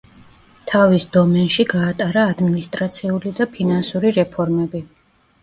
თავის დომენში გაატარა ადმინისტრაციული და ფინანსური რეფორმები.